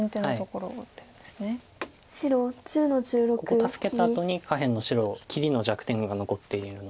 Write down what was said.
ここ助けたあとに下辺の白切りの弱点が残っているので。